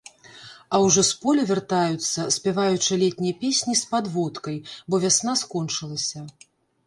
А ўжо з поля вяртаюцца, спяваючы летнія песні з падводкай, бо вясна скончылася.